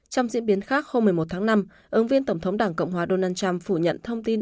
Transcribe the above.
trong diễn biến khác hôm một mươi một tháng năm ứng viên tổng thống đảng cộng hòa donald trump phủ nhận thông tin